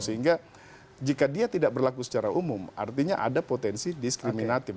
sehingga jika dia tidak berlaku secara umum artinya ada potensi diskriminatif